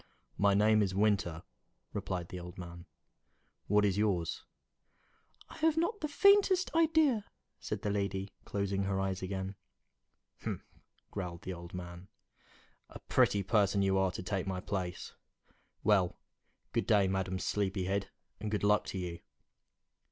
"My name is Winter," replied the old man. "What is yours?" "I have not the faintest idea," said the lady, closing her eyes again. "Humph!" growled the old man, "a pretty person you are to take my place! Well, good day, Madam Sleepyhead, and good luck to you!"